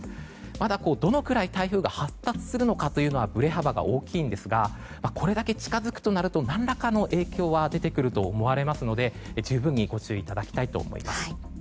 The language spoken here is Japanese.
まだどのくらい台風が発達するのかというのはブレ幅が大きいんですがこれだけ近づくとなると何らかの影響は出てくると思われますので十分にご注意いただきたいと思います。